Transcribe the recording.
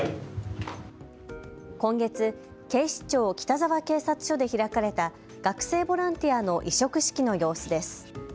今月、警視庁北沢警察署で開かれた学生ボランティアの委嘱式の様子です。